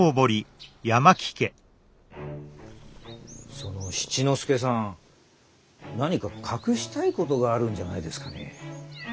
その七之助さん何か隠したいことがあるんじゃないですかね。